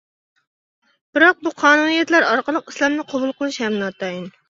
بىراق بۇ قانۇنىيەتلەر ئارقىلىق ئىسلامنى قوبۇل قىلىشى ھەم ناتايىن.